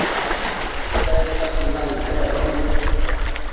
Tedta cuna icpec nëbi